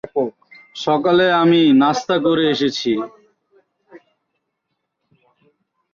পূর্ব বাংলায় দ্রব্যমূল্যের দাম নিয়ে শুরু হয় বৈষম্য।